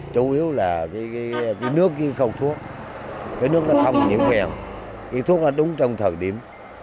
chủ yếu là cái nước không thuốc cái nước nó không nhiễu kèm cái thuốc nó đúng trong thời điểm